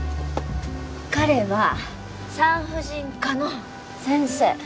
彼は産婦人科の先生。